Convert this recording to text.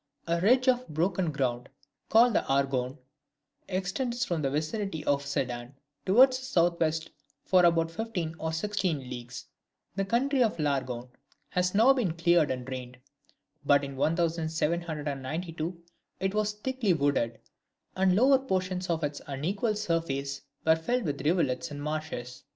A ridge of broken ground, called the Argonne, extends from the vicinity of Sedan towards the south west for about fifteen or sixteen leagues, The country of L'Argonne has now been cleared and drained; but in 1792 it was thickly wooded, and the lower portions of its unequal surface were filled with rivulets and marshes.